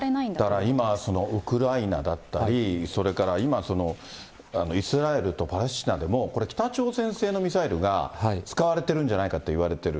だから今、ウクライナだったり、それから今、イスラエルとパレスチナでも、北朝鮮製のミサイルが使われてるんじゃないかっていわれている。